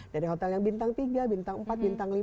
dari hotel yang bintang tiga bintang empat bintang lima